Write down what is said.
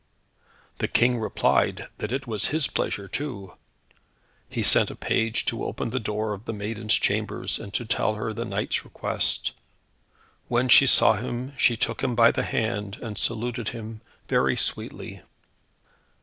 The King replied that it was his pleasure, too. He sent a page to open the door of the maiden's chamber, and to tell her the knight's request. When she saw him, she took him by the hand, and saluted him very sweetly.